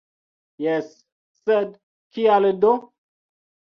Jes, sed kial do?